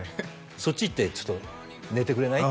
「そっち行ってちょっと寝てくれない？」